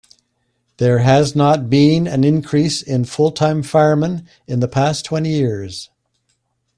There has not been an increase in full-time firemen in the past twenty years.